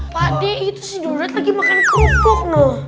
padek itu si jodot lagi makan kerupuk